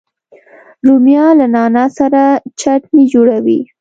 رومیان له نعنا سره چټني جوړوي